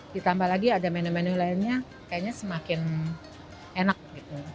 ditambah lagi ada menu menu lainnya kayaknya semakin enak gitu